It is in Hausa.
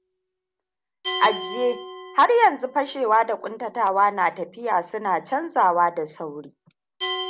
Ajiye har yanzu-fashewa da ƙuntatawa na tafiya suna canzawa da sauri.